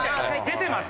出てます